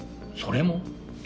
それも？